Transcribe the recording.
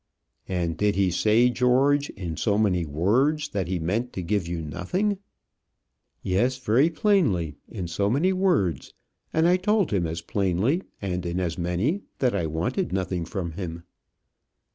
"And did he say, George, in so many words that he meant to give you nothing?" "Yes, very plainly in so many words. And I told him as plainly, and in as many, that I wanted nothing from him."